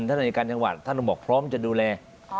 ท่านอัญญาการจังหวัดท่านบอกพร้อมจะดูแล